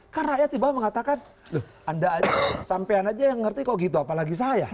kan rakyat tiba tiba mengatakan loh anda aja yang ngerti kok gitu apalagi saya